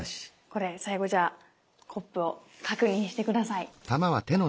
これ最後じゃあコップを確認して下さい。